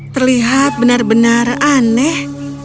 terlihat benar benar aneh